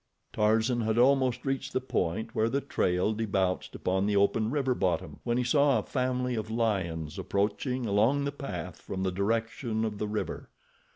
Tarzan had almost reached the point where the trail debouched upon the open river bottom when he saw a family of lions approaching along the path from the direction of the river.